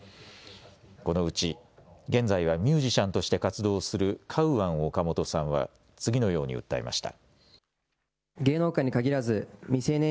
このうち現在はミュージシャンとして活動するカウアン・オカモトさんは次のように訴えました。